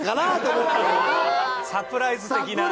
サプライズ的な。